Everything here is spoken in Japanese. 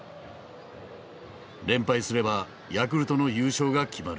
連敗すればヤクルトの優勝が決まる。